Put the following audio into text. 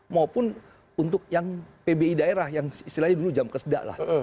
maupun untuk yang pbi daerah yang istilahnya dulu jam keseda lah